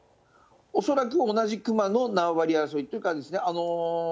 恐らく、同じ熊の縄張り争いという感じですね。